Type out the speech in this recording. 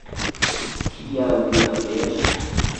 Kial vi aperis?